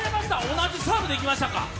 同じサーブでいきましたね。